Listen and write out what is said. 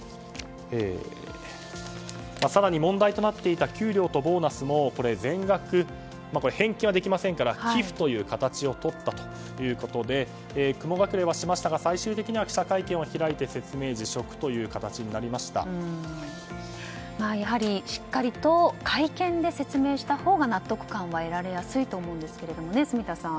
更に問題となっていた給料とボーナスも全額返金はできませんから寄付という形をとったということで雲隠れはしましたが最終的には記者会見を開いてやはりしっかりと会見で説明したほうが納得感は得られやすいと思いますが、住田さん。